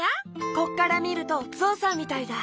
ここからみるとゾウさんみたいだ。